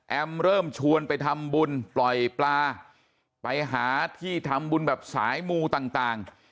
เริ่มชวนไปทำบุญปล่อยปลาไปหาที่ทำบุญแบบสายมูต่าง